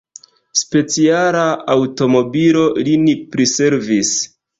Speciala aŭtomobilo lin priservis.